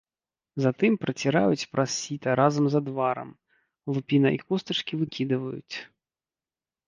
Затым праціраюць праз сіта разам з адварам, лупіна і костачкі выкідваюць.